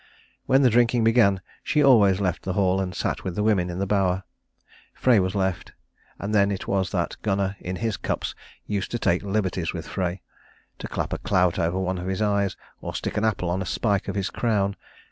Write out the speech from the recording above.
When the drinking began she always left the hall and sat with the women in the bower. Frey was left and then it was that Gunnar in his cups used to take liberties with Frey to clap a clout over one of his eyes, or stick an apple on a spike of his crown.